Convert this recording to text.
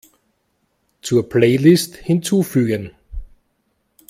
Zur Playlist hinzufügen.